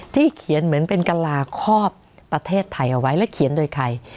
เขียนเหมือนเป็นกลาคอบประเทศไทยเอาไว้และเขียนโดยใคร